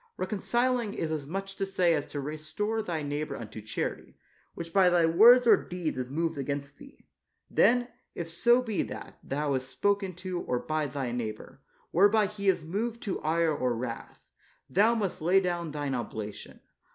Reconciling is as much to say as to restore thy neighbor unto charity, which by thy words or deeds is moved against thee; then, if so be that thou hast spoken to or by thy neighbor, whereby he is moved to ire or wrath, thou must lay down thine oblation.